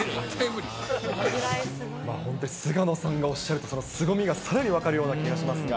本当に菅野さんがおっしゃると、そのすごみがさらに分かるような気がしますが。